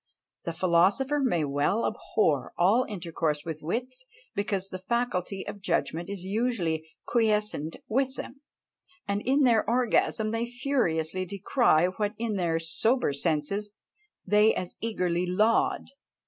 The philosopher may well abhor all intercourse with wits! because the faculty of judgment is usually quiescent with them; and in their orgasm they furiously decry what in their sober senses they as eagerly laud!